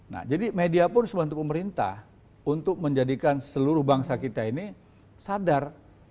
nah jadi media pun sebantu pemerintah untuk menjadikan seluruh bangsa kita ini sadar